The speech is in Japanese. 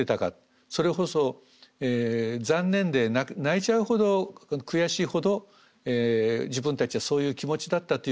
それこそ残念で泣いちゃうほど悔しいほど自分たちはそういう気持ちだったということがですね